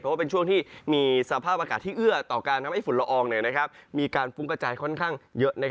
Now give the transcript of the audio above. เพราะว่าเป็นช่วงที่มีสภาพอากาศที่เอื้อต่อการทำให้ฝุ่นละอองมีการฟุ้งกระจายค่อนข้างเยอะ